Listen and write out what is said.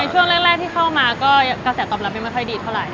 ช่วงแรกที่เข้ามาก็กระแสตอบรับไม่ค่อยดีเท่าไหร